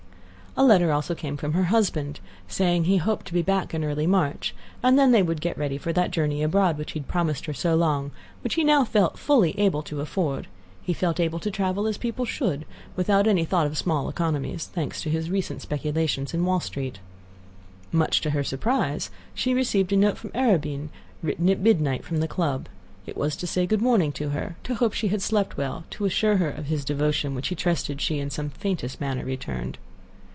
A letter also came from her husband, saying he hoped to be back early in March, and then they would get ready for that journey abroad which he had promised her so long, which he felt now fully able to afford; he felt able to travel as people should, without any thought of small economies—thanks to his recent speculations in Wall Street. Much to her surprise she received a note from Arobin, written at midnight from the club. It was to say good morning to her, to hope she had slept well, to assure her of his devotion, which he trusted she in some faintest manner returned.